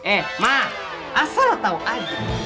eh ma asal lo tau aja